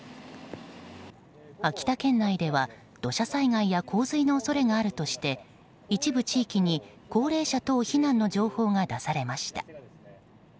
秋田県内では土砂災害や洪水の恐れがあるとして一部地域に高齢者等避難の情報が出されました。